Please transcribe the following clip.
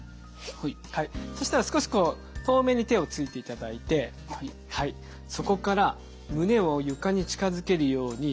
そしたら少しこう遠目に手をついていただいてそこから胸を床に近づけるように倒していきます。